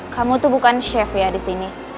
kamu tuh bukan chef ya disini